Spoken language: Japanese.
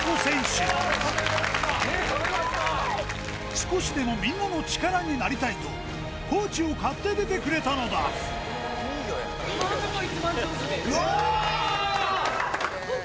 少しでもみんなの力になりたいとコーチを買って出てくれたのだうわぁ！